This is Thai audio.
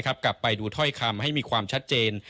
กลับไปดูถ้อยคำให้มีความชัดเจน